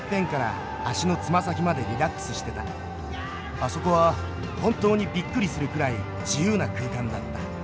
あそこは本当にびっくりするくらい自由な空間だった。